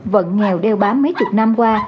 vận nghèo đeo bám mấy chục năm qua